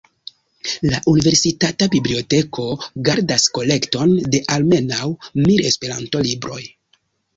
La universitata biblioteko gardas kolekton de almenaŭ mil Esperanto-libroj.